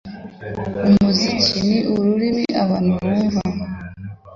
Umuziki ni ururimi abantu bumva.